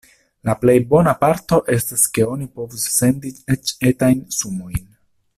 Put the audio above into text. La plej bona parto estas ke oni povus sendi eĉ etajn sumojn.